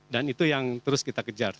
dan itu yang terus kita kejar